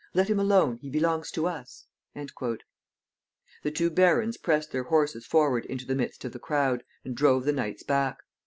Let him alone. He belongs to us." The two barons pressed their horses forward into the midst of the crowd, and drove the knights back.